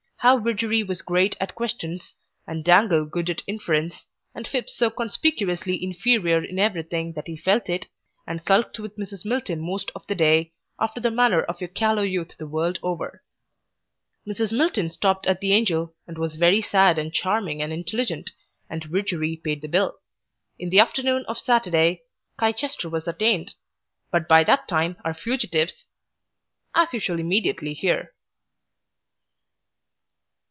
How Widgery was great at questions, and Dangle good at inference, and Phipps so conspicuously inferior in everything that he felt it, and sulked with Mrs. Milton most of the day, after the manner of your callow youth the whole world over. Mrs. Milton stopped at the Angel and was very sad and charming and intelligent, and Widgery paid the bill in the afternoon of Saturday, Chichester was attained. But by that time our fugitives As you shall immediately hear.